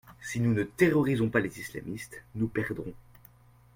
Si nous ne terrorisons pas les islamistes, nous perdrons.